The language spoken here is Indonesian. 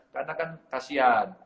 karena kan kasian